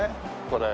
これ。